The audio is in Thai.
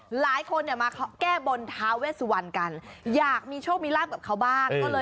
หลายคนก็มาแก้บนทาเวสวันกันอยากมีโชคมีล่างกับเขาบ้าง